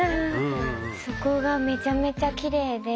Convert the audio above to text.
そこがめちゃめちゃきれいで。